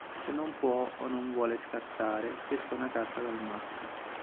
Se non può o non vuole scartare, pesca una carta dal mazzo.